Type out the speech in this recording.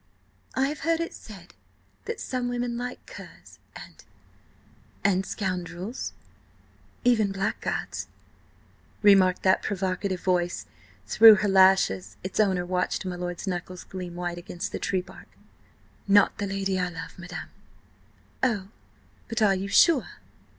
"I have heard it said that some women like–curs, and–and–and scoundrels; even blackguards," remarked that provocative voice. Through her lashes its owner watched my lord's knuckles gleam white against the tree bark. "Not the lady I love, madam." "Oh? But are you sure?"